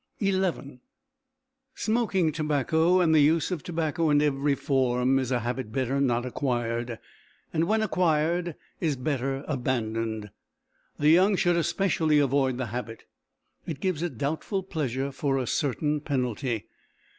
XI Smoking tobacco, and the use of tobacco in every form, is a habit better not acquired, and when acquired is better abandoned. The young should especially avoid the habit. It gives a doubtful pleasure for a certain penalty.